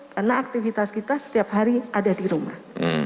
karena aktivitas kita setiap hari ada di rumah